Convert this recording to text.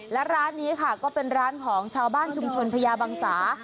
และร้านนี้ค่ะก็เป็นร้านของชาวบ้านชุมชนพญาบังสา